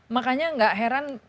makanya gak heran